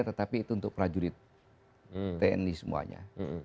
tetapi itu untuk prajurit tni semuanya